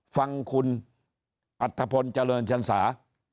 ฟังคุณอัธพลเจริญชันสา